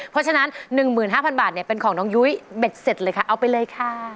เพราะฉะนั้น๑๕๐๐บาทเป็นของน้องยุ้ยเบ็ดเสร็จเลยค่ะเอาไปเลยค่ะ